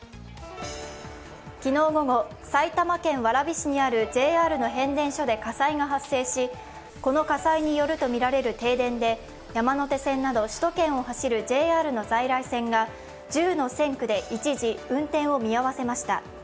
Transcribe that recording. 昨日午後、埼玉県蕨市にあるＪＲの変電所で火災が発生し、この火災によるとみられる停電で山手線など首都圏を走るＪＲの在来線が１０の線区で一時、運転を見合わせました。